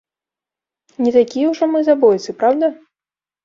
Не такія ўжо мы забойцы, праўда?